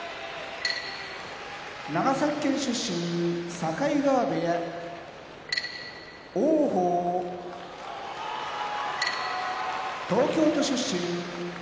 長崎県出身境川部屋王鵬東京都出身大嶽部屋